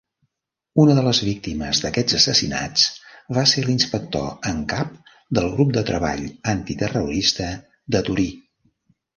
Una de les víctimes d'aquests assassinats va ser l'inspector en cap del grup de treball antiterrorista de Torí.